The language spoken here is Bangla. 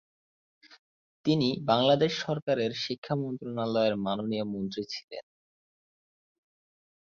তিনি বাংলাদেশ সরকারের শিক্ষা মন্ত্রণালয়ের মাননীয় মন্ত্রী ছিলেন।